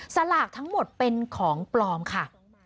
สลากทั้งหมดเป็นของปลอมค่ะ